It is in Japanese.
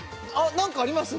何かありますよね